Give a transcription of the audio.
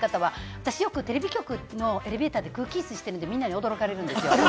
私よくテレビ局のエレベーターで空気いすしてるので、驚かれるんですよ。